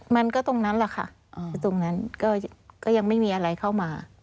มันก็ตรงนั้นแหละค่ะตรงนั้นก็ยังไม่มีอะไรเข้ามา